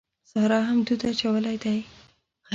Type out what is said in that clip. سارا هم دود اچولی دی.